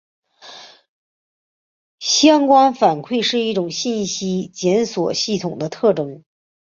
相关反馈是一些信息检索系统的特征。